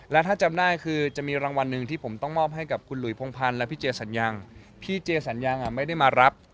และถ้าจำได้คือจะมีรางวัลหนึ่งที่ผมต้องมอบให้กับคุณหลุยพงพันธ์และพี่เจสัญญังพี่เจสัญญังอ่ะไม่ได้มารับ